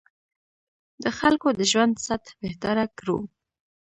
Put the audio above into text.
د خلکو د ژوند سطح بهتره کړو.